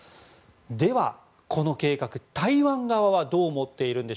では、この計画台湾側はどう思っているのか。